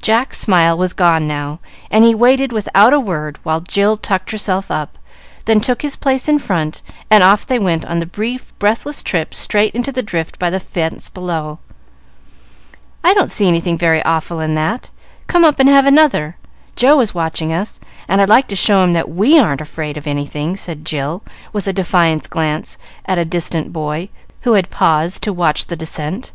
Jack's smile was gone now, and he waited without a word while Jill tucked herself up, then took his place in front, and off they went on the brief, breathless trip straight into the drift by the fence below. "I don't see anything very awful in that. Come up and have another. Joe is watching us, and I'd like to show him that we aren't afraid of anything," said Jill, with a defiant glance at a distant boy, who had paused to watch the descent.